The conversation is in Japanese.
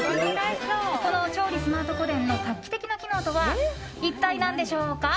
この調理スマート個電の画期的な機能とは一体何でしょうか？